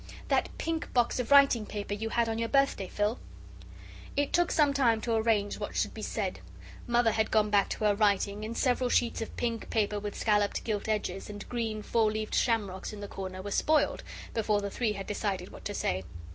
That pink box of writing paper you had on your birthday, Phil." It took some time to arrange what should be said. Mother had gone back to her writing, and several sheets of pink paper with scalloped gilt edges and green four leaved shamrocks in the corner were spoiled before the three had decided what to say.